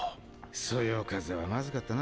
そよ風はマズかったな。